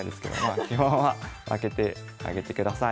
あ基本は負けてあげてください。